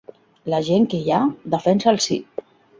La gent que hi ha, defensa el Sí.